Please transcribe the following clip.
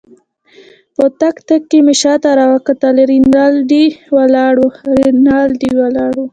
په تګ تګ کې مې شاته راوکتل، رینالډي ولاړ وو.